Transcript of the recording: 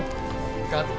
勝った！